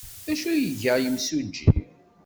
D acu ay iga yimsujji?